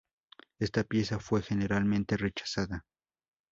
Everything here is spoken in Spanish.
Esta pieza fue generalmente rechazada.